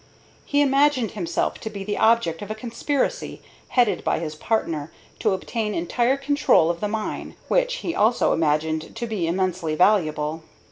He imagined himself to be the object of a conspiracy, headed by his partner, to obtain entire control of the mine, which he also imagined to be immensely valuable.